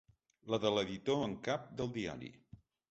La de l’editor en cap del diari.